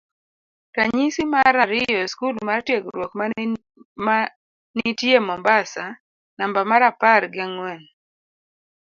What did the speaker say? Ranyisi mar ariyo skul mar tiegruok ma nitie mombasa namba marapar gi ang'wen